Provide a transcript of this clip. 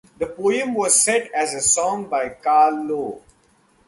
This poem was set as a song by Carl Loewe.